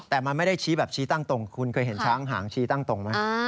แต่มันไม่ได้ชี้แบบชี้ตั้งตรงคุณเคยเห็นช้างหางชี้ตั้งตรงไหม